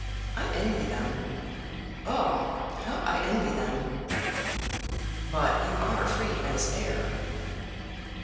I envy them. Oh, how I envy them!" "But you are free as air."